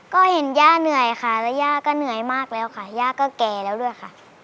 ก็เห็นย่าเหนื่อยค่ะแล้วย่าก็เหนื่อยมากแล้วค่ะย่าก็แก่แล้วด้วยค่ะ